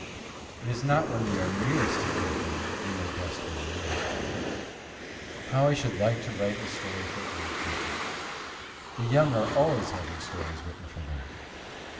It is not when we are nearest to anything that we know best what it is. How I should like to write a story for old people! The young are always having stories written for them.